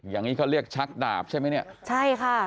อย่างนี้เขาเรียกชักดาบใช่ไหมเนี่ยใช่ค่ะ